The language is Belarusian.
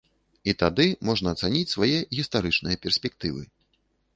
І тады можна ацаніць свае гістарычныя перспектывы.